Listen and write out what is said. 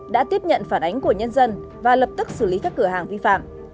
đã tiếp nhận phản ánh của nhân dân và lập tức xử lý các cửa hàng vi phạm